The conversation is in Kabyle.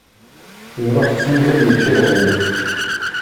Iruḥ d timẓin yečča uɣyul.